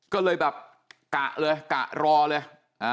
ก็เลยแบบกะเลยกะรอเลย